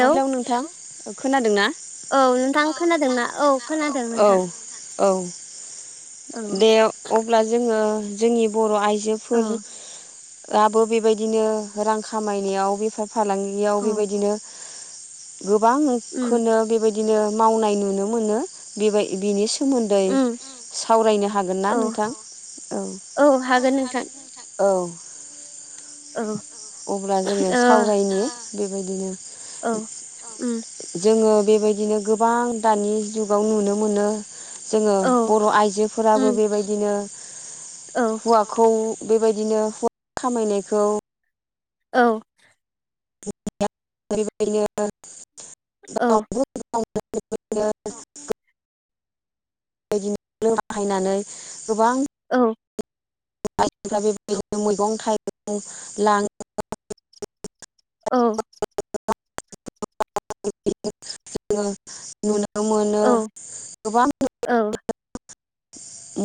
अ hello नोंथां ओ खोनादों ना? औ औ नोंथां खोनादोंना औ खोदों ना औ--औ नोंथां खोनादों नोंथां औ। औ दे अब्ला जोङो जोंनि बर' औ आइजोफोर आबो बेबायदिनो रां खामायनायाव बेफार फालांगियाव औ बेबायदिनो उम गोबांखोनो बेबायदिनो मावनाय नुनो मोनो बेबाय बेनि सो सोमोन्दै ओम उम सावरायनो हागोन ना औ नोंथां औ औ हागोन नोंथां। औ औ अब्ला जोङो ओ सावरायनि बेबायदिनो उम औ जोङो बेबायदिनो गोबां दानि जुगाव नुनो मोनो जोङो औ बर' आइजोफोराबो उम बेबायदिनो औ हुवाखौ बेबायदिनो [unintelligible] खामायनायखौ औ [unintelligible] [unintelligible] [inaudible] बेबायदिनो औ औ [unintelligible] बाहायनानै गोबां औ [unintelligible] मैगं थाइगं लाङो [unintelligible] औ [unintelligible] मोनो औ गोबां औ [unintelligible]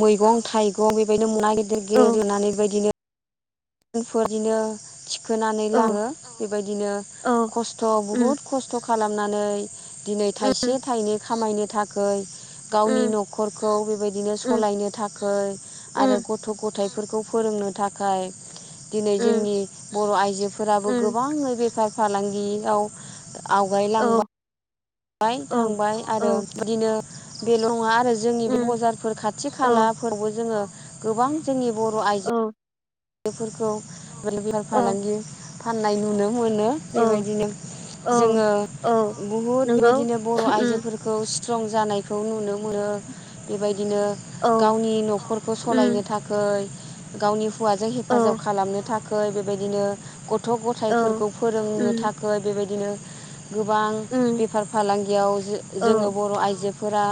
मैगं थाइगं बेबायदिनो [unintelligible] गिदिर नानै बेबायदिनो। [unintelligible] खोनानै लाङो औ बेबायदिनो औ खस्थ' उम बुहुद खस्थ' खालामनानै दिनै थाइसे उम थाइनै खामायनो थाखोय गावनि उम न'खरखौ बेबायदिनो उम सलायनो थाखै उम आरो गथ' गथ थाइफोरखौ फोरोंनो थाखाय दिनै उम जोंनि बर' आइजोफोराबो उम गोबाङै बेफार फालांगियाव औ आवगायलांबा बाय औ थांबाय आरो औ बिदिनो बेल' नङा आरो जोंनि बे उम बजारफोर खाथि औ खालाफोरावबो जोङो गोबां जोंनि बर' औ आइजो बेफोरखौ माने बेफार औ फालांगि फाननाय नुनो मोनो औ बेबायदिनो औ जोङो औ बुहुद नंगौ बायदिनो बर' उम आइजोफोरखौ स्ट्रं जानायखौ नुनो मोनो बेबाय दिनो औ गावनि न'खरखौ उम सलायनो थाखै गावनि हौवाजों औ हेफाजाब खालामनो थाखै बेबायदिनो ग थ' औ गथाइफोरखौ फोरोंनो उम थाखै बेबायदिनो गोबां उम बेफार फालांगियाव जो-जोङो औ बर' आइजोफोरा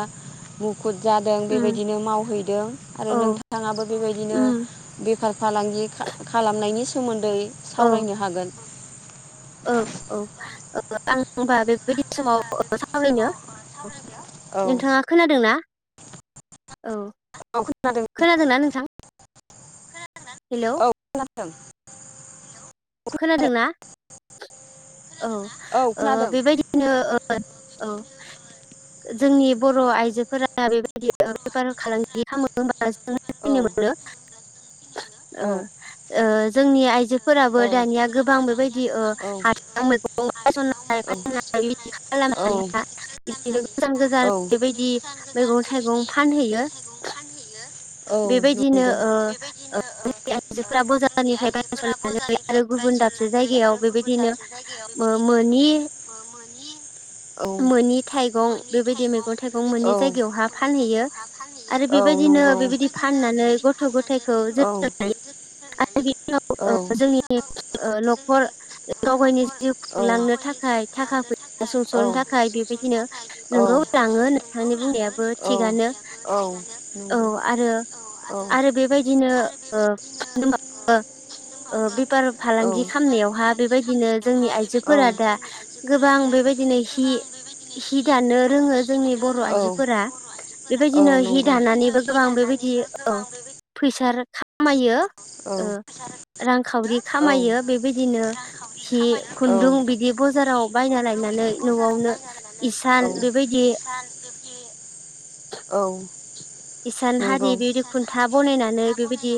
मु खुद जादों उम बेबायदिनो मावहैदों आरो औ नोंथाङाबो बेबायदिनो उम बे फार फालांगि खालामनायनि सोमोन्दै औ सावरायनो हागोन। औ औ आं होनबा बेबायदि समाव सावरायनो औ औ नोंथाङा खोनादोंना? औ। औ खोनादों खोनादोंना नोंथां हेल'? [unintelligible] खोनादोंना? औ औ ओ खोनादों बेबायदिनो ओ औ। जोंनि बर' आइजोफोरा बेबायदि बेफार फालांगि औ खालामोबा [unintelligible] ओ औ ओ जोंनि आइजोफोर दानिया गोबां बेबायदि ओ [unintelligible] [unintelligible] औ बेबायदि बिदिनो गोजान मैगं गोजान थाइगं बेबायदि फानहैयो मैगं थाइगं फानहैयो बेबायदिनो ओ [unintelligible] आइजोफोरा बजारनिफ्राय बायस'नानै आरो गुबुन दाबसे जायगायाव बेबायदिनो ओ मोनि मो मोनि मोनि थाइगं बे मैगं थाइगं मोनै जायहा फानहैयो आरो बेबायदिनो बेबायदि फाननानै गथ' गथायखौ जोथोन लायो आरो बिनि औ। उनाव ओ जोंनि ओ न'खर गाव गावनि जिउ गाव खुंलांनो थाखाय थाखा फैसा सुंस'नो थाखाय बेबायदिनो नोंगौ थाङो नोंथांनि बुंनायाबो थिगानो। औ थारैनो आरो आरो बेबायदिनो ओ [unintelligible] ओ ओ बि फार ओ फालांगि खालामनायावहा बेबायदिनो जोंनि आइजोफोरा दा गोबां बेबायदिनो हि इ हि रोङो जोंनि बर' आइजोफोरा बेबायदिनो हि दाना बेबायदिनो नानैबो गोबां बेबायदि औ फैसा आरो खामायो ओ रांखावरि औ खामायो बेबायदिनो हि खुन्दुं बिदि ब हि जाराव बायना लायनानै न'आवनो इसान बेबायदि औ। इसान हारि बेबायदि खुन्था बनायनानै बेबायदि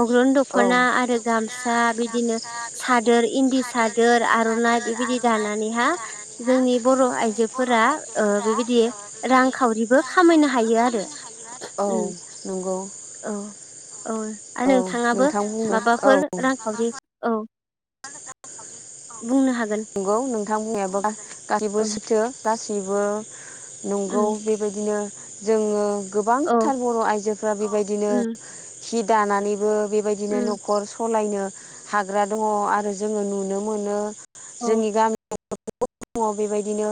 अग्रन औ दख'ना आरो गामसा बिदिनो सादोर इन्दि सादोर आर'नाइ बेबायदि दानानैहा जोंनि बर' आइजोफोरा ओ बेबायदि रांखावरि बेबो खामायनो हायो आरो औ उम नंगौ औ औ। आरो नोंथाङाबो नोंथां बुंनो औ माबाफोर रांखावरि औ। बुंनो हागोन नंगौ नोंथां बुंनायाबो गासैबो औ सैथो गासैबो नंगौ उम बेबायदिनो जोङो औ गोबांथार बर' आइजोफ्रा बेबायदिनो उम हि दानानैबो बेबायदिनो उम न'खर सलायनो हाग्रा दङ' आरो जोङो नुनो मोनो औ जोंनि गामि [unintelligible] बेबायदिनो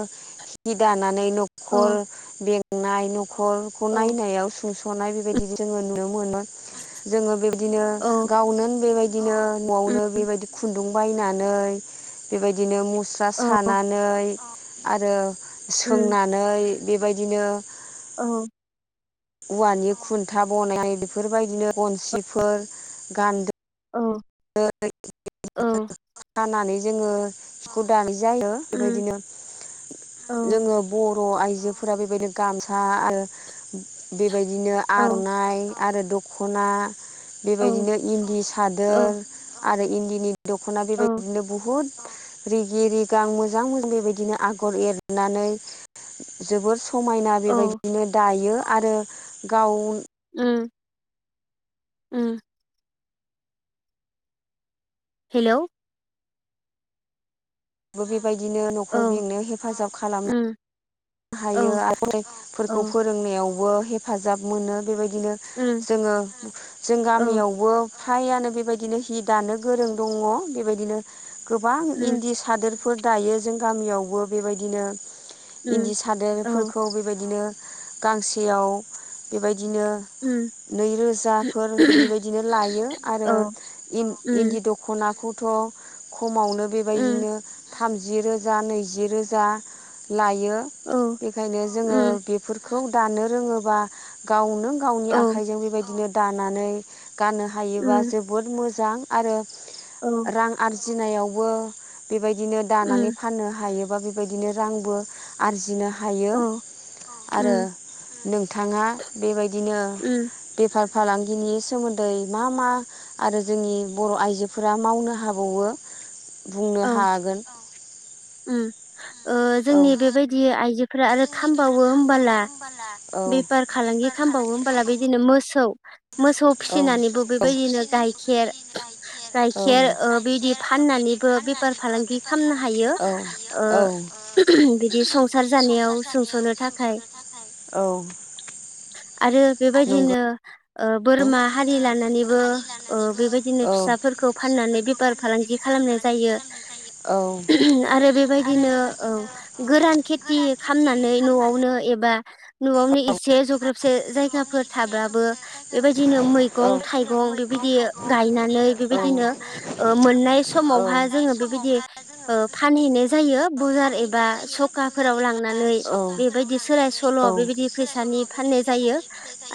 हि दाना नै न'खर औ बेंनाय न'खरखौ औ नायनायाव सुंस' नाय बेबायदि जोङो नुनो मोनो जोङो बेबदिनो औ गावनो बेबाय दिनो उम न'आवनो बेबायदि खुन्दुं बायनानै बेबायदिनो मु स्रा औ सानानै आरो उम सोंनानै बेबायदिनो औ औवानि खुन्था बनायनाय बेफोरबायदिनो बनसिफोर गान्दो औ औ [inaudible] खानानै जोङो जिखौ दा जायो उम बेबायदिनो औ जोङो ब बर' आइजोफोरा बेबायदिनो गामसा बेबायदिनो औ आर'नाइ आरो दख'ना औ बेबायदिनो इन्दि सादोर औ आरो इन्दिनि दख'ना औ बेबायदिनो बुहुत रिगि रिगां मोजां मोजां बेबायदिनो आगर एरनानै जोबोर समायना औ बेबायदिनो दायो आरो गाव उम उम हेलौ। बो बेबायदिनो न'खर औ बेंनायाव हेफाजाब खालामो उम हायो औ आरो बेफोरखौ औ फोरोंनायावबो हेफाजाब मोनो बेबायदि बिदिनो उम जोङो जों औ गामियावबो हायानो बेबायदिनो हि दानो गोरों दङ बेबायदिनो गोबां उम इन्दि सादोरफोर दायो जों गामियावबो बेबायदिनो उम इन्दि औ सादोरफोरखौ बेबायदिनो गांसेयाव बेबायदिनो उम नैरोजाफोर बेबायदिनो लायो आरो औ इन्दि उम दख'नाखौ थ' खमावनो उम बेबायदिनो थामजि रोजा नैजि रोजा लायो औ बेखायनो जोङो उम बेफोर खौ दानो रोङोबा गावनो गावनि औ आखाइजों बेबायदिनो दानानै गाननो हायोबा उम जोबोद मोजां आरो औ उम औ रां आरजिनायावबो बेबायदिनो दानानै फाननो हायोबा बेबायदिनो रांबो आरजिनो हा हायो आरो उम नोंथाङा बेबायदिनो उम बेफार फालांगिनि सोमोन्दै मा मा आरो जोंनि बर' आइजोफोरा मावनो हाबावो? बुंनो औ हागोन। उम ओ औ जोंनि बेबायदि आइजोफोरा आरो खामबावो होमबाला औ बेफार फालांगि खालामबावो होमबालाय बिदिनो मोसौ मोसौ फिसिनानैबो बेबायदिनो गाइखेर गाइखेर ओ बिदि फाननानै बो‌ बेफार फालांगि खालामनो हायो ओ बिदि संसार जानायाव सुंस'नो थाखाय औ आरो बेबायदिनो ओ बोरमा हारि लानानैबो ओ बेबायदिनो फिसाफोरखौ फाननानै बेफार फालांगि खालामनाय जायो। औ आरो बेबायदिनो औ गोरान खेथि खालामनानै न'आवनो एबा न'आवनो एसे जग्रबसे जायगाफोर थाब्लाबो बेबायदिनो मैगं थाइगं बेबादि बिदियो गायनानै बेबायदिनो मोननाय समाव बेबायदिनो हा जोङो बेबायदि ओ फानहैनाय जायो बजार एबा सखाफोराव लांनानै बेबायदि सोलाय सल' बेबायदि फैसानि फाननाय जायो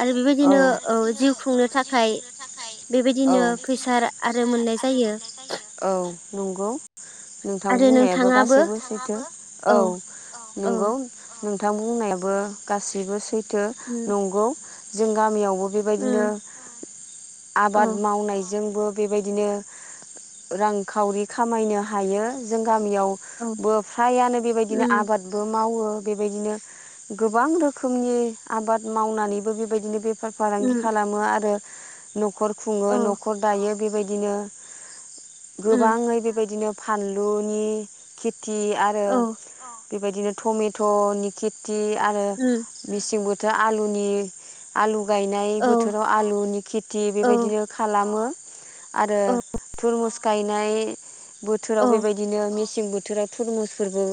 आरो बेबायदिनो आरो औ जिउ खुंनो थाखाय बेबायदिनो फैसा आरो मोननाय जायो। औ नंगौ नोंथां आरो बुंनायाबो नोंथाङाबो गासैबो सैथो औ। औ नंगौ। नोंथां बुंनायाबो गासिबो सैथो उम नंगौ जों गामियावबो। बेबायदिनो उम आबाद औ मावनाय जोंबो बेबायदिनो रांखावरि खामायनो हायो जों गामि औ मियावबो फ्रायानो बेबायदिनो उम आबादबो मावो बेबायदिनो गो बां रोखोमनि आबाद मावनानैबो बेबायदिनो बेफार फालांगि उम खालामो आरो। न'खर खुङो औ न'खर दायो बेबायदिनो उम गोबाङै बेबायदिनो फानलुनि खेथि आरो औ बेबायदिनो टमेट' नि खिथि आरो उम मिसिं बो आलुनि आलु गायनाय औ बोथोराव आलुनि खेथि औ बेबायदिनो खालामो आरो औ थुरमुस गायनाय बोथोराव औ बेबायदिनो मेसें बोथ थोराव थुरमुसफोरबो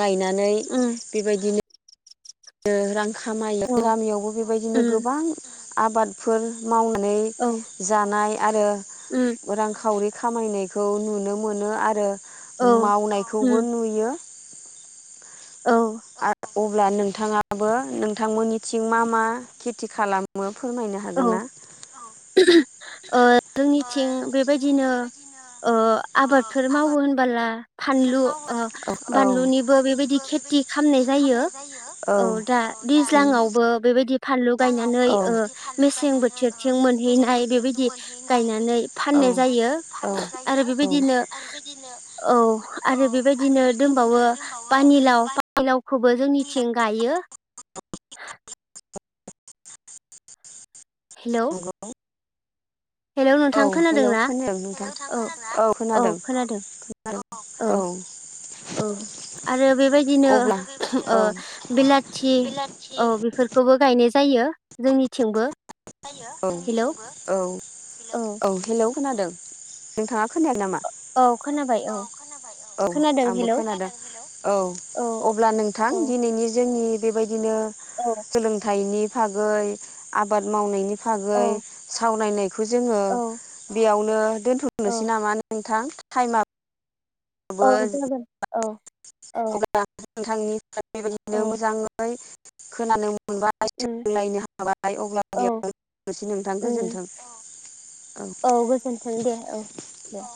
गायनानै उम बेबायदिनो ओ रां खामायो औ गामियावबो बेबायदिनो उम गोबां आबादफोर मावनानै औ जानाय आरो उम रांखावरि खामायनायखौ नुनो मोनो आरो औ मावनायखौबो उम नुयो औ आरो अब्ला नोंथाङाबो नोंथांमोननिथिं मा मा खेथि खालामो हागोनना ओ जोंनिथिं बेबायदिनो ओ आबादफोर मावो होनबोला फानलु ओ औ औ फानलुनिबो बेबायदि खेथि खालामनाय जायो औ दा दैज्लांआवबो बेबायदि फानलु गायनानै ओ थिं बोथोरथिं मोनहैनाय बेबायदि गायनानै फाननाय जायो आरो बेबायदि नो औ आरो बेबायदिनो दोंबावो फानिलाव फानिलाव खौबो जोंनिथिं गायो हेलौ नंगौ हेलौ औ नोंथां खोनादों हेलौ ना खोनादों नोंथां औ औ खोनादों खोनादों औ औ आरो बेबायदिनो ओ बिलाथि औ बेफोरखौबो गायनाय जायो जोंनिथिंबो औ हेलौ औ औ हेलौ खोनादों नोंथाङा खोनाया नामा औ खोनाबाय औ खोनाबाय औ खोनादों आंबो हेलौ खोनादों औ अब्ला नोंथां औ दिनैनि जोंनि बेबायदिनो औ सोलोंथाइनि फागै आबाद मावनायनि फागै औ सावरायनायखौ जोङो औ बेयावनो औ दोन्थ'नोसै नामा नोंथां थाइमा औ जागोन औ औ अब्ला नोंथांनि बेबायदिनो औ मोजाङै खोनानो मोन मोनबाय उम सोलोंलायनो हाबाय अब्ला औ बेयावनोसै नोंथां उम गोजोन्थों औ गोजोन्थों दे औ दे